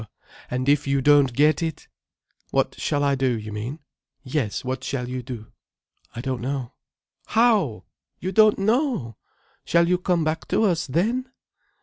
And if you don't get it—?" "What shall I do, you mean?" "Yes, what shall you do?" "I don't know." "How! you don't know! Shall you come back to us, then?"